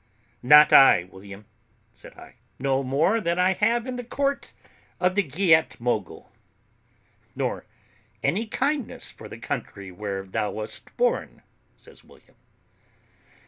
"Not I, William," said I; "no more than I have in the court of the Great Mogul." "Nor any kindness for the country where thou wast born?" says William.